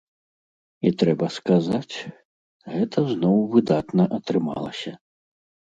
І трэба сказаць, гэта зноў выдатна атрымалася.